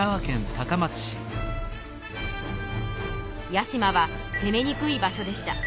屋島はせめにくい場所でした。